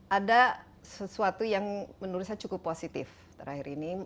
ada sesuatu yang menurut saya cukup positif terakhir ini